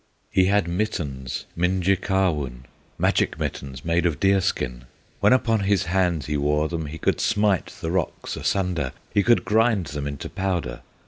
He had mittens, Minjekahwun, Magic mittens made of deer skin; When upon his hands he wore them, He could smite the rocks asunder, He could grind them into powder.